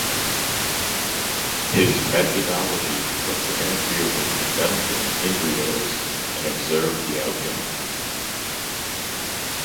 His methodology was to interfere with developing embryos and observe the outcome.